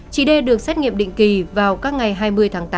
chị d được xét nghiệm định kỳ vào các ngày hai mươi tháng tám